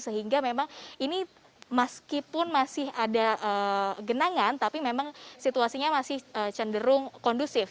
sehingga memang ini meskipun masih ada genangan tapi memang situasinya masih cenderung kondusif